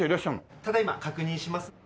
ただいま確認します。